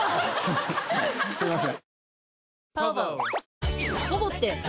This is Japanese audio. すみません。